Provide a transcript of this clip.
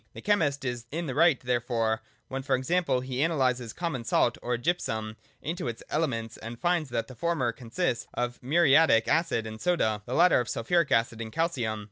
The chemist is in the right therefore when, for example, he analyses common salt or gypsum into its elements, and finds that the former consists of muriatic acid and soda, the latter of sulphuric acid and calcium.